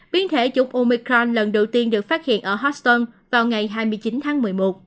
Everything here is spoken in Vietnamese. biến thể chủng omicron lần đầu tiên được phát hiện ở houston vào ngày hai mươi chín tháng một mươi một